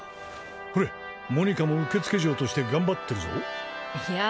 ほれモニカも受付嬢として頑張ってるぞいや